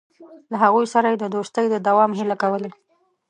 له هغوی سره یې د دوستۍ د دوام هیله کوله.